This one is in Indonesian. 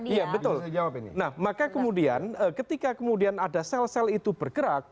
iya betul nah maka kemudian ketika kemudian ada sel sel itu bergerak